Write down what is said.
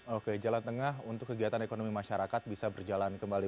oke jalan tengah untuk kegiatan ekonomi masyarakat bisa berjalan kembali